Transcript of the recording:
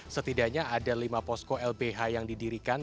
setidaknya ada lima posko lbh yang didirikan